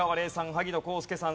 萩野公介さん